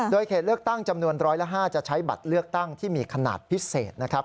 โดยเขตเลือกตั้งจำนวน๑๐๕จะใช้บัตรเลือกตั้งที่มีขนาดพิเศษนะครับ